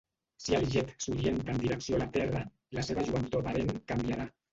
Si el jet s'orienta en direcció a la Terra, la seva lluentor aparent canviarà.